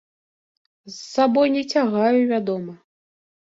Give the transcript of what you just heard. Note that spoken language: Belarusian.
З сабой не цягаю, вядома.